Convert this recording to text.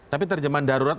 tapi terjemahan darurat